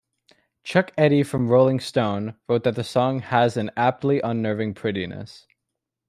Chuck Eddy from "Rolling Stone" wrote that the song "has an aptly unnerving prettiness".